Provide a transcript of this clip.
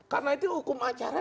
karena itu hukum acara